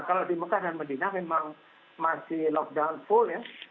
kalau di mekah dan medina memang masih lockdown full ya